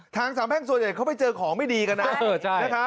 ทางสามแพ่งส่วนใหญ่เขาไปเจอของไม่ดีกันนะ